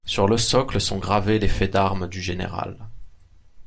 Sur le socle sont gravés les faits d’armes du général.